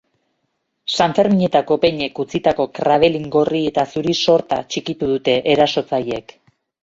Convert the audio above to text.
Sanferminetako peñek utzitako krabelin gorri eta zuri sorta txikitu dute erasotzaileek.